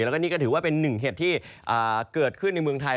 แล้วก็นี่ก็ถือว่าเป็นหนึ่งเหตุที่เกิดขึ้นในเมืองไทย